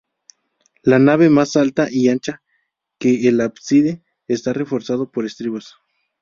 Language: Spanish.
La nave, más alta y ancha que el ábside, está reforzada por estribos.